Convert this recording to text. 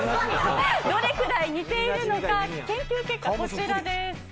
どれくらい似ているのか研究結果、こちらです。